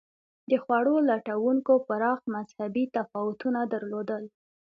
د خوړو لټونکو پراخ مذهبي تفاوتونه درلودل.